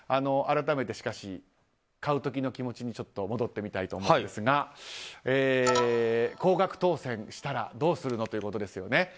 改めてしかし、買う時の気持ちに戻ってみたいと思うんですが高額当せんしたらどうするのということですよね。